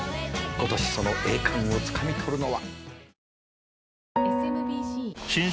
今年その栄冠をつかみ取るのは。